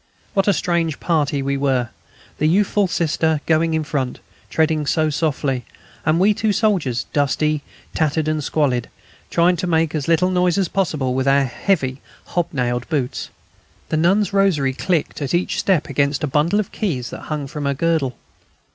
What a strange party we were, the youthful Sister, going in front, treading so softly, and we two soldiers, dusty, tattered and squalid, trying to make as little noise as possible with our heavy hobnailed boots! The nun's rosary clinked at each step against a bundle of keys that hung from her girdle.